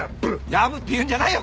藪って言うんじゃないよ！